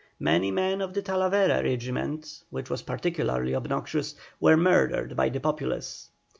Many men of the Talavera regiment, which was particularly obnoxious, were murdered by the populace.